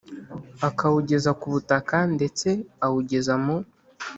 akawugeza ku butaka ndetse awugeza mu